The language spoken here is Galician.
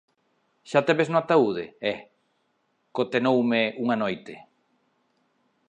Xa te ves no ataúde, eh? –cotenoume unha noite.